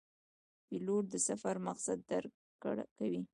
پیلوټ د سفر مقصد درک کوي.